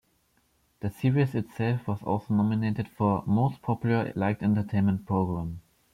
The series itself was also nominated for "Most Popular Light Entertainment Program".